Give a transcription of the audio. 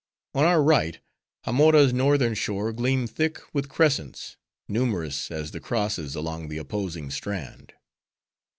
On our right, Hamora's northern shore gleamed thick with crescents; numerous as the crosses along the opposing strand.